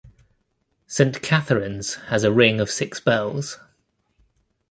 Saint Katharine's has a ring of six bells.